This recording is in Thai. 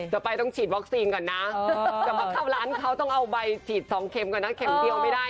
จะไปต้องฉีดวัคซีนก่อนนะจะมาเข้าร้านเขาต้องเอาใบฉีด๒เข็มก่อนนะเข็มเดียวไม่ได้